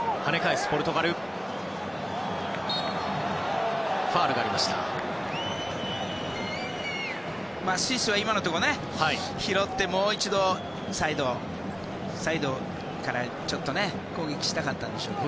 スイスは今のところ拾ってもう一度、サイドから攻撃したかったでしょうけどね。